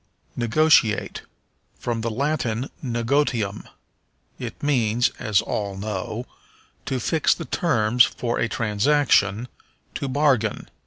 Negotiate. From the Latin negotium. It means, as all know, to fix the terms for a transaction, to bargain.